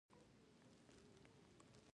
د بست کلا په هلمند کې ده